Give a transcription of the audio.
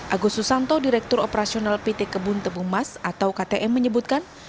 agus susanto direktur operasional pt kebun tebu mas atau ktm menyebutkan